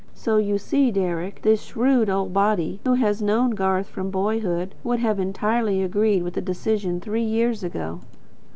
So you see, Deryck, this shrewd old body, who has known Garth from boyhood, would have entirely agreed with the decision of three years ago.